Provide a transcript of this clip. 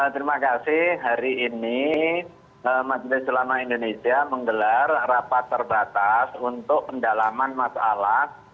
terima kasih hari ini majelis ulama indonesia menggelar rapat terbatas untuk pendalaman masalah